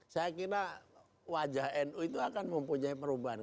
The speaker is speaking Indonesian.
saya kira wajah nu itu akan mempunyai perubahan